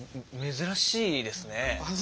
珍しいですね